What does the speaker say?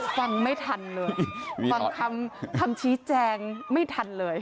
ฟังไม่ทันเลยฟังคำชี้แจงไม่ทันเลย